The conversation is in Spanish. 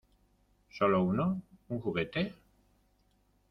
¿ Sólo uno? ¿ un juguete ?